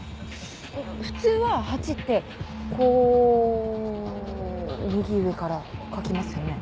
普通は８ってこう右上から書きますよね。